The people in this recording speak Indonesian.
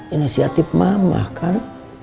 inisiatif mama kan